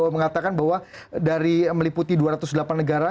mengatakan bahwa dari meliputi dua ratus delapan negara